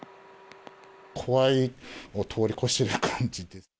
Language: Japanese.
怖いを通り越してる感じです。